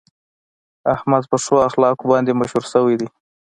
احمد په ښو اخلاقو باندې مشهور شوی دی.